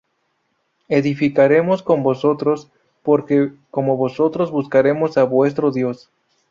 Edificaremos con vosotros, porque como vosotros buscaremos á vuestro Dios.